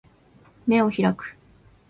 眼を開く